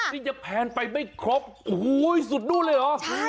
นี่แผนไปไม่ครบโอ้โหสุดนู่นเลยหรอ